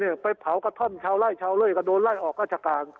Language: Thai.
ไปเผากระท่อมชาวไล่ชาวเล่ก็โดนไล่ออกราชการ